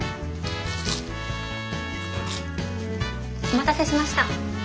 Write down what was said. お待たせしました。